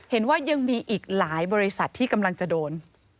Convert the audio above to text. เห็นว่ายังมีอีกหลายบริษัทที่กำลังจะโดน